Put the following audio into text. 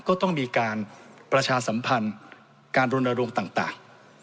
ก็ต้องมีการประชาสัมพันธ์การรณรงค์ต่าง